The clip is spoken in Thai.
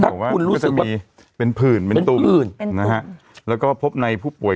เพราะว่ามันจะมีเป็นผื่นเป็นตุ่มเป็นตุ่มเป็นตุ่มนะฮะแล้วก็พบในผู้ป่วย